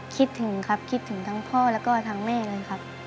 คิดถึงครับคิดถึงทั้งพ่อแล้วก็ทั้งแม่เลยครับ